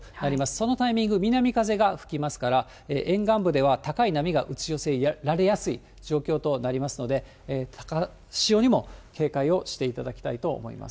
そのタイミング、南風が吹きますから、沿岸部では高い波が打ち寄せられやすい状況となりますので、高潮にも警戒をしていただきたいと思います。